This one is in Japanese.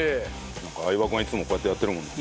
なんか相葉君はいつもこうやってやってるもんな。